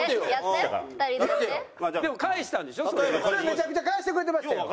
めちゃくちゃ返してくれてましたよ。